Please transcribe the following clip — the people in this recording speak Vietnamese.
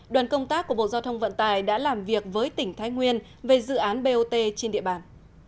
đoàn công tác của bộ giao thông vận tải đã làm việc với tỉnh thái nguyên về dự án bot trên địa bàn